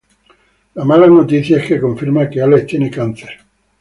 La mala noticia es que confirma que Alex tiene cáncer.